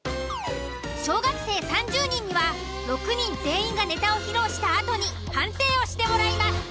小学生３０人には６人全員がネタを披露したあとに判定をしてもらいます。